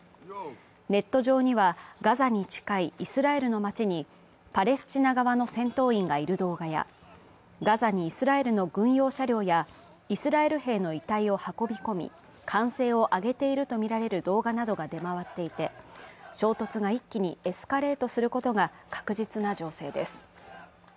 ネット上には、ガザに近いイスラエルの街にパレスチナ側の戦闘員がいる動画やガザにイスラエルの軍用車両やイスラエル兵の遺体を運び込み、歓声を上げているとみられる動画などが出回っていて、衝突が一気にエスカレートすることが確実な情勢です。